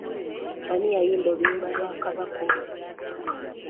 Ani yayimba oluyimba lwa Kabaka olwo?